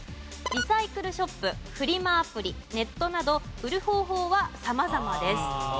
リサイクルショップフリマアプリネットなど売る方法は様々です。